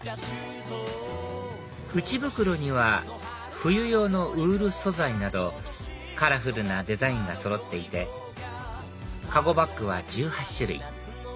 内袋には冬用のウール素材などカラフルなデザインがそろっていて籠バッグは１８種類